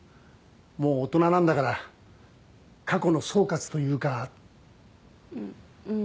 もう大人なんだから過去の総括というかううん